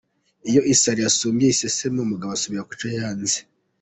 Iyo isari yasumbye iseseme, umugabo asubira kucyo yanze